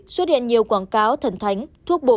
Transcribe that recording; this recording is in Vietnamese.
xuất hiện nhiều quảng cáo thần thánh thuốc bộ